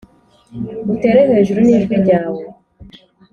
utere hejuru ni jwi ryawe